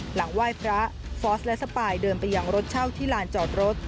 หลังไหว้พระฟอสและสปายเดินไปยังรถเช่าที่ลานจอดรถ